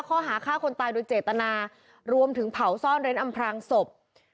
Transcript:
ข้อหาฆ่าคนตายโดยเจตนารวมถึงเผาซ่อนเร้นอำพรางศพ